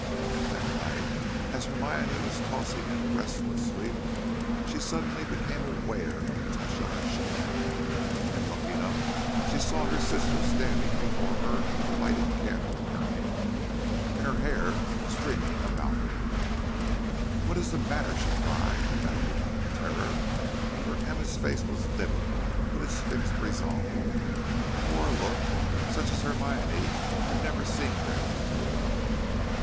That night, as Hermione was tossing in a restless sleep, she suddenly became aware of a touch on her shoulder, and, looking up, she saw her sister standing before her, with a lighted candle in her hand, and her hair streaming about her. "What is the matter?" she cried, bounding up in terror, for Emma's face was livid with its fixed resolve, and wore a look such as Hermione had never seen there before.